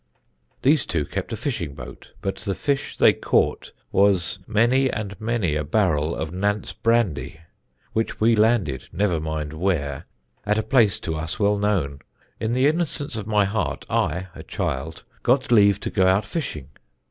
"These two kept a fishing boat, but the fish they caught was many and many a barrel of Nantz brandy, which we landed never mind where at a place to us well known. In the innocence of my heart, I a child got leave to go out fishing.